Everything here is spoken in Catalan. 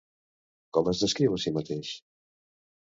Com es descriu a si mateix?